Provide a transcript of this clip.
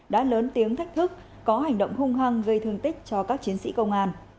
đã lớn tiếng thách thức có hành động hung hăng gây thương tích cho các chiến sĩ công an